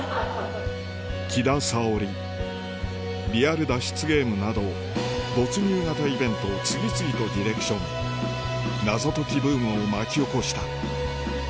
リアル脱出ゲームなど没入型イベントを次々とディレクション謎解きブームを巻き起こした